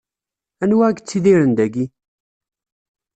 Anwa i yettidiren dayi?